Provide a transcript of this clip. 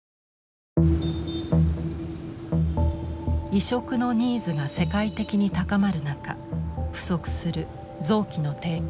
移植のニーズが世界的に高まる中不足する臓器の提供。